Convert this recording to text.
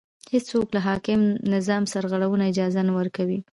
هېڅوک له حاکم نظام سرغړولو اجازه نه ورکړي